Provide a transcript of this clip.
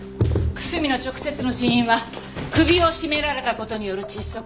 楠見の直接の死因は首を絞められた事による窒息。